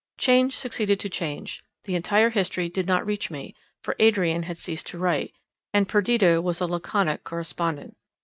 Change succeeded to change; the entire history did not reach me; for Adrian had ceased to write, and Perdita was a laconic correspondent.